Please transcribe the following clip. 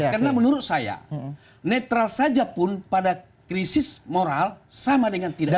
karena menurut saya netral saja pun pada krisis moral sama dengan tidak moral